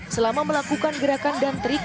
selama melakukan gerakan dan trik